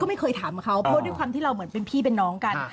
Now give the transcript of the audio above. ไม่เคยถามเขาเพราะด้วยความที่เราเหมือนเป็นพี่เป็นน้องกัน